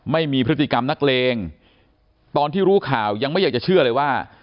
ไม่มีพฤติกรรมนักเลงตอนที่รู้ข่าวยังไม่อยากจะเชื่อเลยว่า